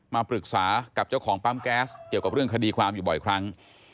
มาปรึกษากับเจ้าของปั๊มแก๊สเกี่ยวกับเรื่องคดีความอยู่บ่อยครั้ง